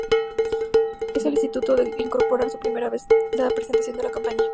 En el estatuto se incorpora por primera vez la representación de la campaña.